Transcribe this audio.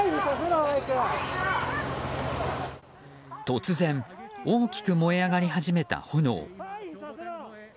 突然、大きく燃え上がり始めた炎。